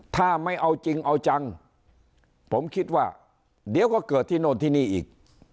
ถ้าไม่เอาจริงเอาจังผมคิดว่าเดี๋ยวก็เกิดที่โน่นที่นี่อีก